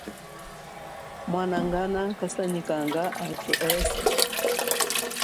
Mwanangana kasanyikanga athu eswe.